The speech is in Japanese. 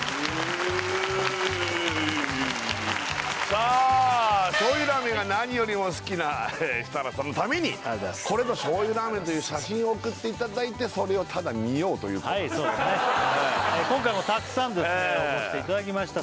さあ醤油ラーメンが何よりも好きな設楽さんのためにこれぞ醤油ラーメンという写真を送っていただいてそれをただ見ようというコーナーはいそうですね３つ！